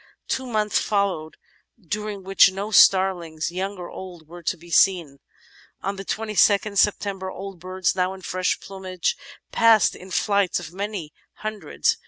Two months followed during which no star liiigs, young or old, were to be seen. On the 22nd September old birds, now in fresh plumage, passed in flights of many himdreds.